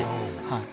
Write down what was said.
はい